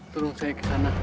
terus saya kesana